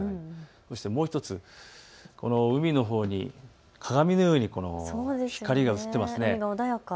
そして、もう１つ、海のほうに鏡のように光が映っていますね。